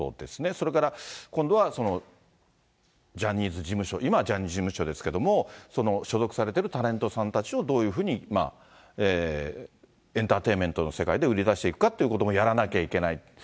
それから今度はジャニーズ事務所、今はジャニーズ事務所ですけれども、その所属されているタレントさんたちをどういうふうにエンターテインメントの世界で売り出していくかということもやらなきゃいけない。